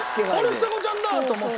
ちさ子ちゃんだ！と思って。